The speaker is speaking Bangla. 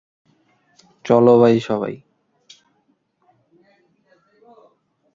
চলো ভাই সবাই!